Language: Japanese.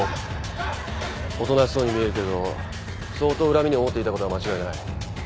おとなしそうに見えるけど相当恨みに思っていたことは間違いない。